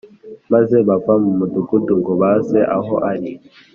” Maze bava mu mudugudu ngo baze aho ari.